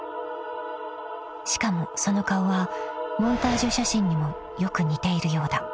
［しかもその顔はモンタージュ写真にもよく似ているようだ］